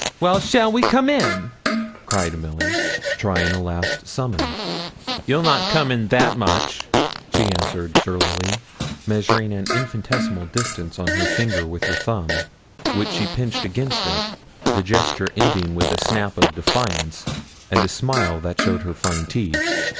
'Well, shall we come in?' cried Milly, trying a last summons. 'You'll not come in that much,' she answered, surlily, measuring an infinitesimal distance on her finger with her thumb, which she pinched against it, the gesture ending with a snap of defiance, and a smile that showed her fine teeth.